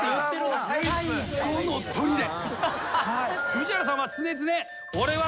宇治原さんは常々。